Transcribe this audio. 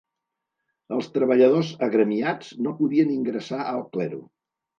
Els treballadors agremiats no podien ingressar al clero.